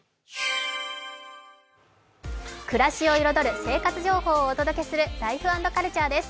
暮らしを彩る生活情報をお届けする、「ライフ＆カルチャー」です。